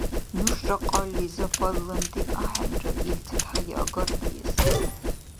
Нуша кьалли западланти ахӀенра, илцад хӀяяагардиэс!